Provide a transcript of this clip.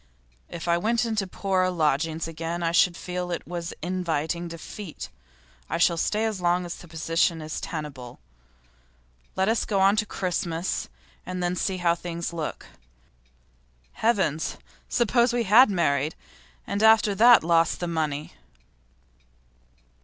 If I went into poorer lodgings again I should feel it was inviting defeat. I shall stay as long as the position is tenable. Let us get on to Christmas, and then see how things look. Heavens! Suppose we had married, and after that lost the money!